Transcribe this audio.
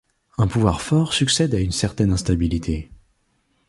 Un pouvoir fort succède à une certaine instabilité.